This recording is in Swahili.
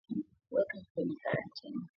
Weka kwenye karantini